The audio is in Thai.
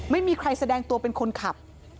ไม่มีใครแสดงตัวเป็นคนขับ